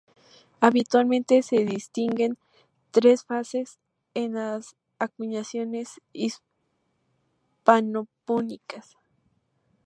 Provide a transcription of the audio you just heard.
Habitualmente se distinguen tres fases en las acuñaciones hispano-púnicas.